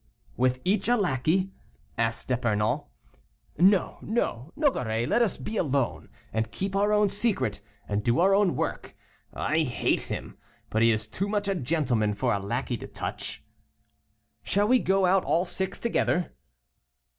"With each a lackey?" asked D'Epernon. "No, no, Nogaret, let us be alone, and keep our own secret, and do our own work. I hate him, but he is too much a gentleman for a lackey to touch." "Shall we go out all six together?"